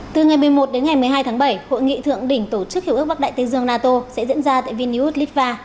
từ ngày một mươi một đến ngày một mươi hai tháng bảy hội nghị thượng đỉnh tổ chức hiệu ước bắc đại tây dương nato sẽ diễn ra tại viniud litva